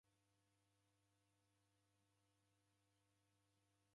Mterengo ghwasighwa mwari